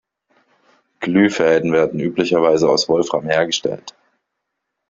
Glühfäden werden üblicherweise aus Wolfram hergestellt.